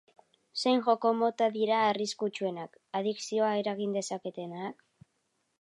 Zein joko mota dira arriskutsuenak, adikzioa eragin dezaketenak?